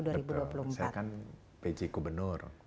saya kan pc gubernur